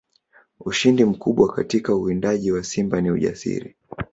Ushindi mkubwa katika uwindaji wa simba ni ujasiri